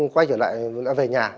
quay trở lại về nhà